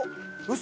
嘘？